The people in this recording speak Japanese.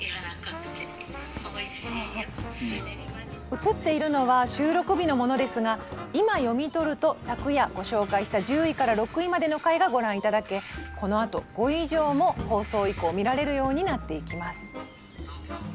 映っているのは収録日のものですが今読み取ると昨夜ご紹介した１０位から６位までの回がご覧頂けこのあと５位以上も放送以降見られるようになっていきます。